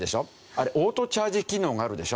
あれオートチャージ機能があるでしょ？